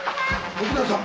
徳田さん！